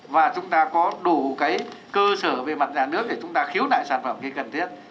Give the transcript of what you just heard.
và chúng ta có đủ cơ sở về mặt nhà nước để chúng ta khiếu nại sản phẩm khi cần thiết